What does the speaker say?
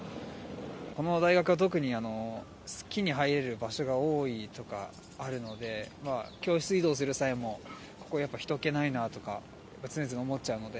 この大学は特に、好きに入れる場所が多いとかあるので、教室移動する際も、ここ、やっぱりひと気ないなとか、常々思っちゃうので。